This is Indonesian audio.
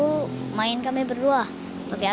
pertempatannya seperti apa dia